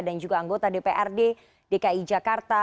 dan juga anggota dprd dki jakarta